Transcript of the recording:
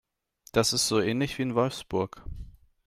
Das ist so ähnlich wie in Wolfsburg